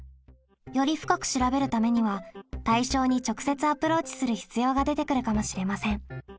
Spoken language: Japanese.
より深く調べるためには対象に直接アプローチする必要が出てくるかもしれません。